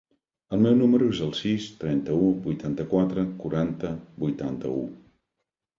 El meu número es el sis, trenta-u, vuitanta-quatre, quaranta, vuitanta-u.